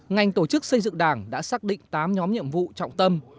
ngành tổ chức xây dựng đảng đã xác định tám nhóm nhiệm vụ trọng tâm